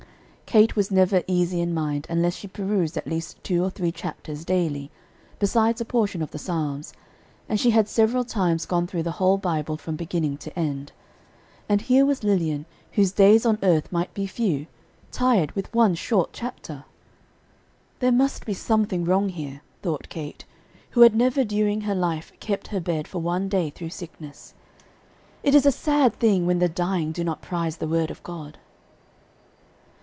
Kate was never easy in mind unless she perused at least two or three chapters daily, besides a portion of the Psalms; and she had several times gone through the whole Bible from beginning to end. And here was Lilian, whose days on earth might be few, tired with one short chapter! "There must be something wrong here," thought Kate, who had never during her life kept her bed for one day through sickness. "It is a sad thing when the dying do not prize the word of God."